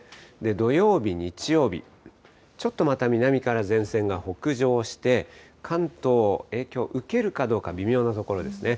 土曜日、日曜日、ちょっとまた南から前線が北上して、関東、影響受けるかどうか、微妙なところですね。